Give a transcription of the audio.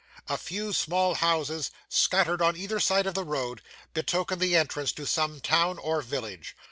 A few small houses, scattered on either side of the road, betoken the entrance to some town or village.